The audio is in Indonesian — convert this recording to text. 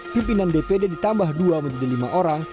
pimpinan dpd ditambah dua menjadi lima orang